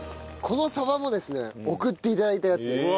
この鯖もですね送って頂いたやつです。